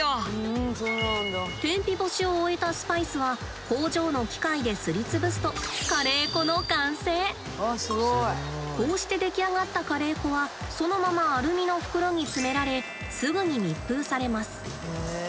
天日干しを終えたスパイスは工場の機械ですりつぶすとこうして出来上がったカレー粉はそのままアルミの袋に詰められすぐに密封されます。